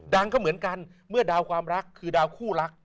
ก็เหมือนกันเมื่อดาวความรักคือดาวคู่รัก